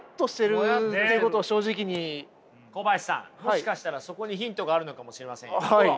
もしかしたらそこにヒントがあるのかもしれませんよ？